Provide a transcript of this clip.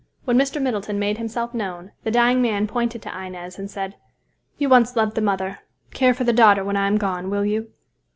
When Mr. Middleton made himself known, the dying man pointed to Inez, and said, "You once loved the mother; care for the daughter when I am gone, will you?"